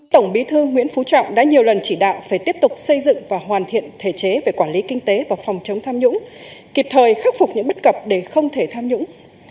tổng bí thư nguyễn phú trọng đã nhiều lần chỉ đạo phải tiếp tục xây dựng và hoàn thiện thể chế về quản lý kinh tế và phòng chống tham nhũng kịp thời khắc phục những bất cập để không thể tham nhũng